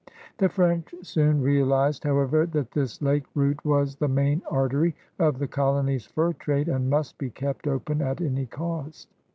The French soon realized, however, that this lake route was the main artery of the colony's fur trade and must be kept open at any cost.